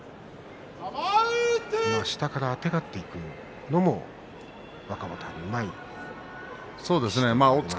下からあてがっていくのも若元春うまいですね。